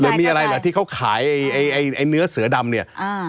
หรือมีอะไรที่เขาขายเนื้อเสือดำเนี่ย